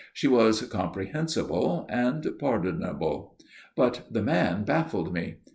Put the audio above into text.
She was comprehensible, and pardonable. But the man baffled me.